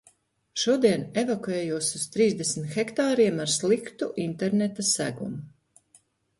Šodien evakuējos uz trīsdesmit hektāriem ar sliktu interneta segumu.